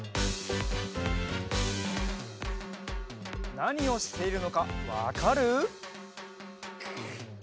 なにをしているのかわかる？